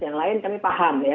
yang lain kami paham ya